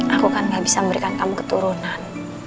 aku kan gak bisa memberikan kamu keturunan